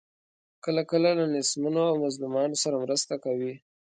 کله کله له نیستمنو او مظلومانو سره مرسته کوي.